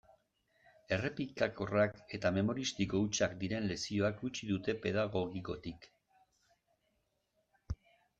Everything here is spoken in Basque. Errepikakorrak eta memoristiko hutsak diren lezioak gutxi dute pedagogikotik.